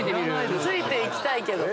ついていきたいけど。